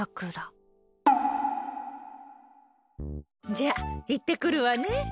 じゃあ、行ってくるわね。